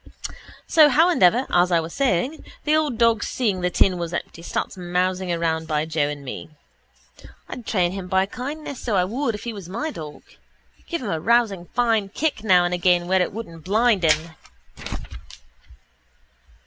So howandever, as I was saying, the old dog seeing the tin was empty starts mousing around by Joe and me. I'd train him by kindness, so I would, if he was my dog. Give him a rousing fine kick now and again where it wouldn't blind him.